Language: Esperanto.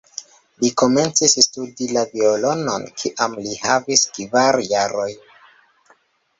Li komencis studi la violonon kiam li havis kvar jarojn.